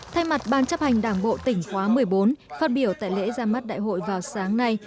thay mặt ban chấp hành đảng bộ tỉnh khóa một mươi bốn phát biểu tại lễ ra mắt đại hội vào sáng nay